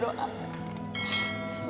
semoga maya baik baik aja